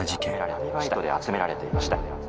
「闇バイトで集められていました」。